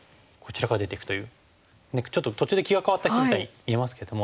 ちょっと途中で気が変わった人みたいに見えますけども。